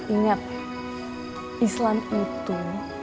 ingat islam itu